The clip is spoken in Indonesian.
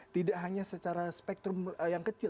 tidak hanya secara spektrum yang kecil